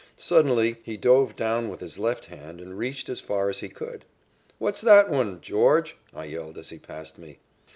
Suddenly he dove down with his left hand and reached as far as he could. "What's that one, George?" I yelled as he passed me.